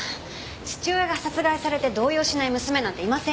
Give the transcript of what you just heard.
父親が殺害されて動揺しない娘なんていませんよ。